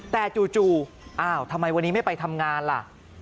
แต่จู่อ้าวทำไมวันนี้ไม่ไปทำงานล่ะ